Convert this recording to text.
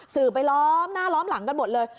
สื่อไปล้อมหน้าล้อมหลังกันหมดเลย